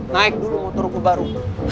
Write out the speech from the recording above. naik dulu motor gue baru